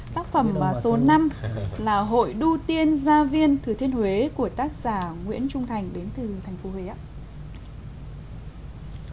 tác phẩm số năm là hội đô tiên gia viên thừa thiên huế của tác giả nguyễn trung thành đến từ thành phố huế ạ